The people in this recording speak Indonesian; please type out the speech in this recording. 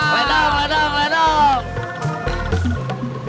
ledang ledang ledang